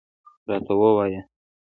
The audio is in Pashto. راته ووایه.